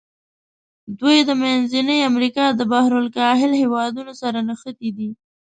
دوی د منځني امریکا د بحر الکاهل هېوادونو سره نښتي دي.